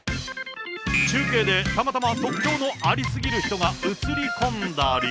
中継でたまたま特徴のありすぎる人が写り込んだり。